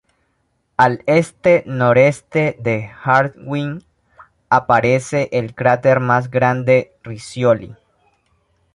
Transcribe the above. Al este-noreste de Hartwig aparece el cráter más grande Riccioli.